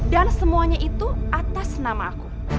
dan semuanya itu atas nama aku